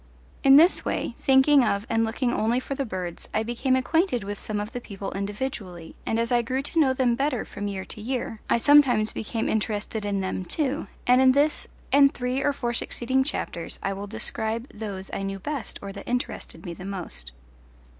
In this way, thinking of and looking only for the birds, I became acquainted with some of the people individually, and as I grew to know them better from year to year I sometimes became interested in them too, and in this and three or four succeeding chapters I will describe those I knew best or that interested me the most.